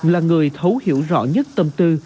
là người thấu hiểu rõ nhất tâm tư